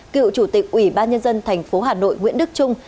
cựu chủ tịch ủy ban nhân dân tp hà nội nguyễn đức trung